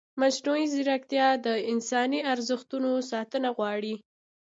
مصنوعي ځیرکتیا د انساني ارزښتونو ساتنه غواړي.